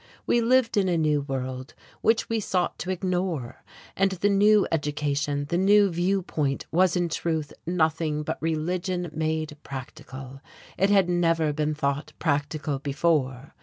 We lived in a new world, which we sought to ignore; and the new education, the new viewpoint was in truth nothing but religion made practical. It had never been thought practical before.